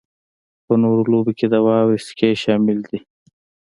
په نورو لوبو کې د واورې سکی شامل دی